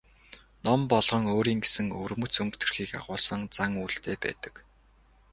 Ном болгон өөрийн гэсэн өвөрмөц өнгө төрхийг агуулсан зан үйлтэй байдаг.